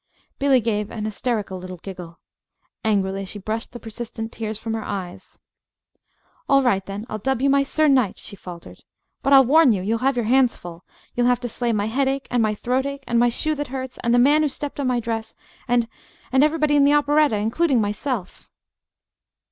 Billy gave an hysterical little giggle. Angrily she brushed the persistent tears from her eyes. "All right, then; I'll dub you my Sir Knight," she faltered. "But I'll warn you you'll have your hands full. You'll have to slay my headache, and my throat ache, and my shoe that hurts, and the man who stepped on my dress, and and everybody in the operetta, including myself."